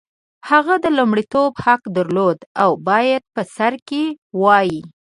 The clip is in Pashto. هغه د لومړیتوب حق درلود او باید په سر کې وای.